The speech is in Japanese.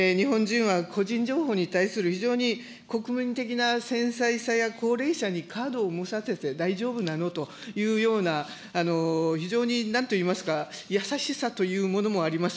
日本人は個人情報に対する非常に国民的な繊細さや高齢者にカードを持たせて大丈夫なのというような、非常になんといいますか、優しさというものもあります。